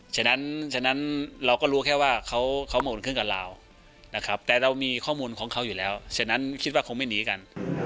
ฉะนั้นฉะนั้นเราก็รู้แค่ว่าเขาโมอุ่นเครื่องกับเรานะครับแต่เรามีข้อมูลของเขาอยู่แล้วฉะนั้นคิดว่าคงไม่หนีกัน